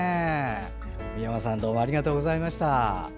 三山さんどうもありがとうございました。